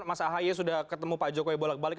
mas ahaye sudah ketemu pak jokowi bolak balik